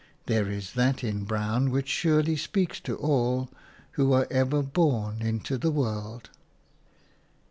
There is that in brown which surely speaks to all who are ever born into the world.